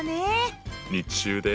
日中で。